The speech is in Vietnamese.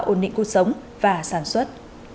ổn định cuộc sống và sản xuất